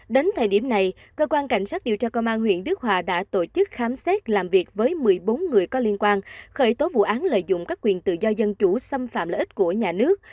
đến thời điểm này cơ quan cảnh sát điều tra công an huyện đức hòa đã tổ chức khám xét làm việc với một mươi bốn người có liên quan khởi tố vụ án lợi dụng các quyền tự do dân chủ xâm phạm lợi ích của nhà nước